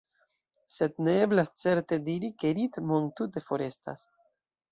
Sed ne eblas, certe, diri, ke ritmo entute forestas.